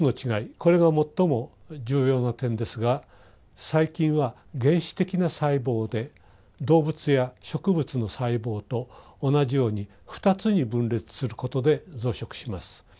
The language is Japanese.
これが最も重要な点ですが細菌は原始的な細胞で動物や植物の細胞と同じように二つに分裂することで増殖します。